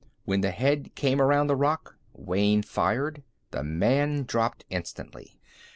When the head came around the rock, Wayne fired. The man dropped instantly.